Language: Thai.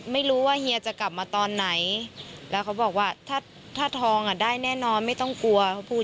ไม่รู้ว่าเฮียจะกลับมาตอนไหนแล้วเขาบอกว่าถ้าถ้าทองอ่ะได้แน่นอนไม่ต้องกลัวเขาพูด